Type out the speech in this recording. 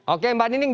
oke mbak nining